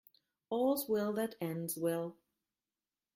All's well that ends well.